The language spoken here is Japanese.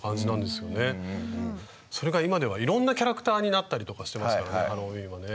それが今ではいろんなキャラクターになったりとかしてますからねハロウィーンはね。